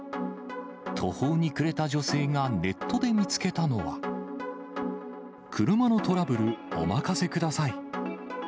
途方に暮れた女性がネットで見つけたのは、車のトラブルお任せください。